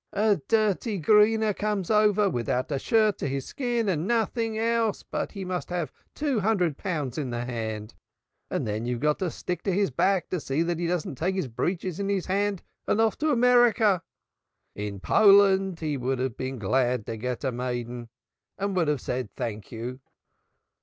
A dirty Greener comes over, without a shirt to his skin, and nothing else but he must have two hundred pounds in the hand. And then you've got to stick to his back to see that he doesn't take his breeches in his hand and off to America. In Poland he would have been glad to get a maiden, and would have said thank you."